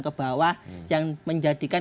ke bawah yang menjadikan